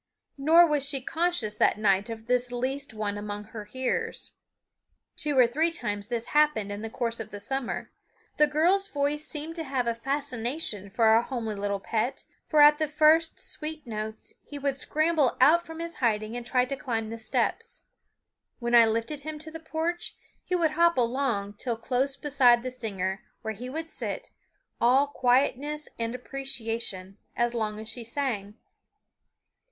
Nor was she conscious that night of this least one among her hearers. Two or three times this happened in the course of the summer. The girl's voice seemed to have a fascination for our homely little pet, for at the first sweet notes he would scramble out from his hiding and try to climb the steps. When I lifted him to the porch he would hop along till close beside the singer, where he would sit, all quietness and appreciation, as long as she sang.